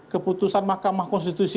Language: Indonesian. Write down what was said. keputusan mahkamah konstitusi